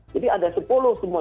jadi ada sepuluh semua